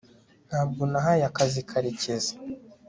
ntabwo nahaye akazi karekezi